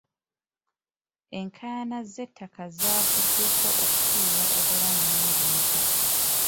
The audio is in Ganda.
Enkaayana z'ettaka zaavuddeko okufiirwa obulamu n'ebintu.